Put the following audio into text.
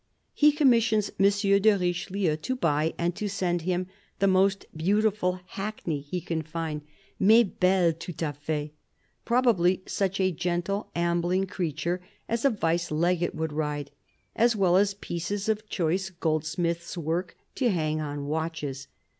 He commissions M. de Richelieu to buy and to send him the most beautiful hackney he can find —" mais belle tout k fait "— probably such a gentle, ambling creature as a Vice Legate would ride — as well as pieces of choice goldsmith's work to hang on watches.